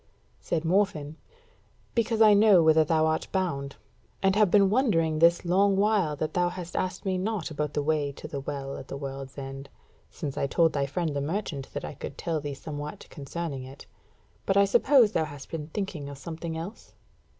Said Morfinn: "Because I know whither thou art bound, and have been wondering this long while that thou hast asked me not about the way to the WELL at the WORLD'S END: since I told thy friend the merchant that I could tell thee somewhat concerning it. But I suppose thou hast been thinking of something else?"